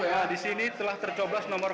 nah di sini telah tercoblos nomor